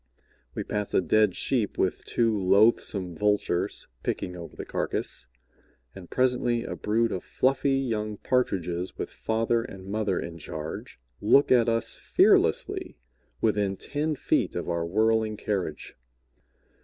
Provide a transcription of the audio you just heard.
We pass a dead Sheep with two loathsome vultures picking over the carcass, and presently a brood of fluffy young Partridges with father and mother in charge look at us fearlessly within ten feet of our whirling carriage.